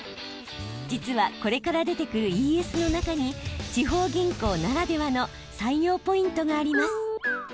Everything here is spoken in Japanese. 実はこれから出てくるＥＳの中に地方銀行ならではの採用ポイントがあります。